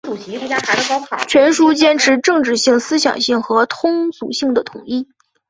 全书坚持政治性、思想性和通俗性的统一